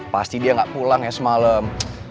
pasti dia gak pulang ya semalem